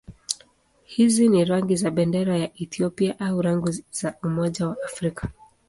Hizi ni rangi za bendera ya Ethiopia au rangi za Umoja wa Afrika.